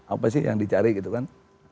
apa sih yang dicari gitu kan